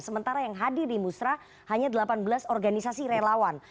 sementara yang hadir di musrah hanya delapan belas organisasi relawan